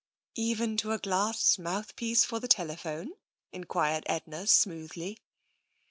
"Even to a glass mouthpiece for the telephone?" enquired Edna smoothly.